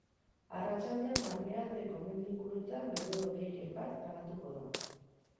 Arratsaldean barnealdeko mendi inguruetan bero-hodeiren bat garatuko da.